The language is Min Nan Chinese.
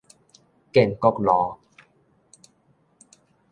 建國路